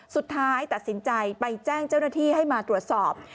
สุดท้ายตัดสินใจไปแจ้งเจ้าหน้าที่ให้มาตรวจสอบ